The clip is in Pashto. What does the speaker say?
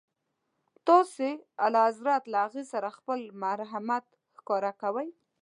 تاسي اعلیحضرت له هغې سره خپل مرحمت ښکاره کوئ.